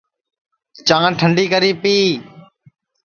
چاں ٹنڈی کری پی